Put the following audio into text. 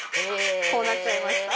こうなっちゃいました。